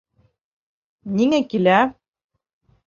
Ниңә килә?